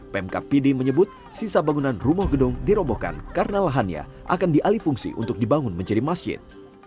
pemkap pidi menyebut sisa bangunan rumah gedung dirobohkan karena lahannya akan dialih fungsi untuk dibangun menjadi masjid